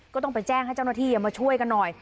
ก็ต้องไปแจ้งให้เจ้าหน้าที่มาช่วยกันหน่อย